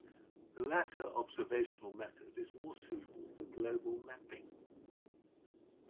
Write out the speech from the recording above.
The latter observational method is more suitable for global mapping.